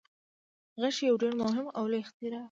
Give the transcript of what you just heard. غشی یو ډیر مهم او لوی اختراع و.